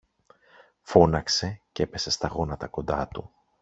φώναξε, κι έπεσε στα γόνατα κοντά του.